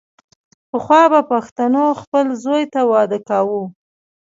پخوا به پښتنو خپل زوی ته واده کاوو.